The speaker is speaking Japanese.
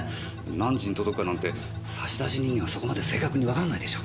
何時に届くかなんて差出人にはそこまで正確にわからないでしょう。